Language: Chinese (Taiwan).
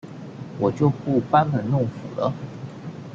我就不班門弄斧了